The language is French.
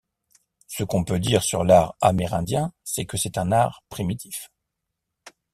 Ce qu'on peut dire sur l'art Amérindien c'est que c'est un art primitif.